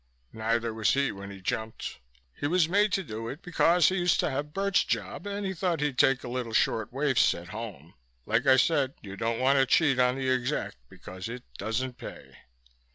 Neither was he when he jumped. He was made to do it, because he used to have Bert's job and he thought he'd take a little short wave set home. Like I said, you don't want to cheat on the Exec because it doesn't pay."